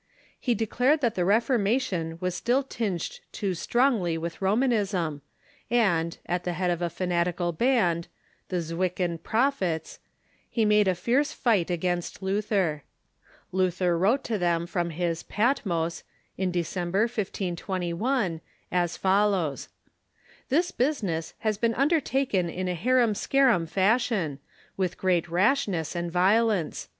He declared that the Reformation was still tinged too strongly with Romanism, and, at the head of a fanatical band, the Zwickau Prophets, he made a fierce fight against Luther. Luther wrote to them from his "Patmos," in December, 1521, as follows: "This business has been un dertaken in a harum scarum fashion, unth great rashness and violence.